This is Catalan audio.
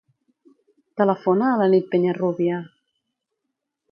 Telefona a la Nit Peñarrubia.